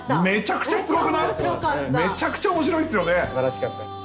めちゃくちゃすごくない？面白かった。